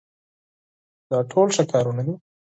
دا ټول ښه کارونه دي.